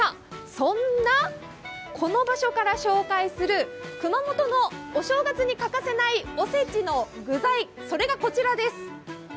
そんなこの場所から紹介する熊本のお正月に欠かせないおせちの具材、それがこちらです。